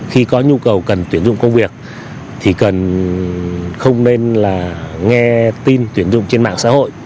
khi có nhu cầu cần tuyển dụng công việc thì không nên là nghe tin tuyển dụng trên mạng xã hội